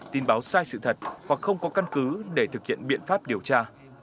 tin báo sai sự thật hoặc không có căn cứ để thực hiện biện pháp điều tra